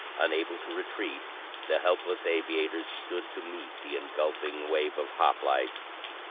Unable to retreat, the helpless aviators stood to meet the engulfing wave of hoplites.